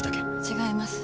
違います。